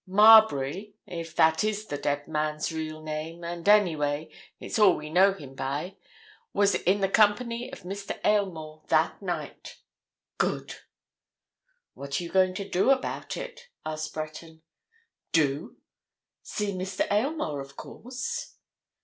Marbury—if that is the dead man's real name, and anyway, it's all we know him by—was in the company of Mr. Aylmore that night. Good!" "What are you going to do about it?" asked Breton. "Do? See Mr. Aylmore, of course."